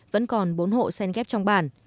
vẫn còn bốn hộ sen ghép trong bản